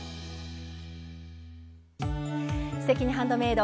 「すてきにハンドメイド」